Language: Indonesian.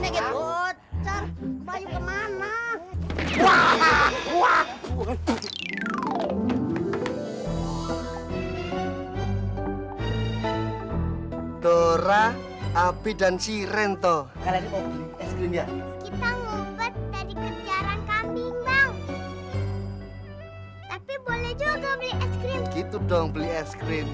tapi boleh juga beli es krim gitu dong beli es krim